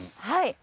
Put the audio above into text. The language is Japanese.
はい。